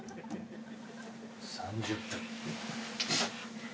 ３０分。